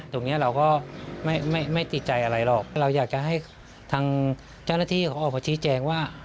ตรงนี้เราก็ไม่ติดใจอะไรหรอกเราอยากจะให้ทางเจ้าหน้าที่เขาออกมาชี้แจงว่า